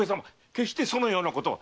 決してそのようなことは。